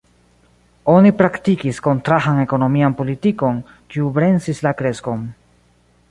Oni praktikis kontrahan ekonomian politikon, kiu bremsis la kreskon.